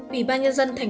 ủy ban nhân dân tp hcm